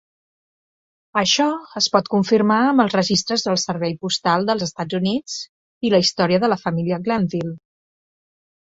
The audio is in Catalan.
Això es pot confirmar amb els registres del Servei Postal dels Estats Units i la història de la família Glanville.